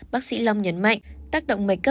bác sĩ long nhấn mạnh